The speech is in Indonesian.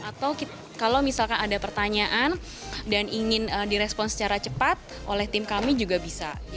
atau kalau misalkan ada pertanyaan dan ingin direspon secara cepat oleh tim kami juga bisa